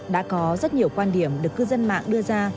đã có rất nhiều quan điểm được cư dân mạng đưa ra